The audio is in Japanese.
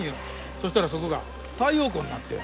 そしたらそこが太陽光になったんや。